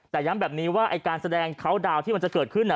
แต่ย้ำแบบนี้ว่าไอ้การแสดงเขาดาวน์ที่มันจะเกิดขึ้น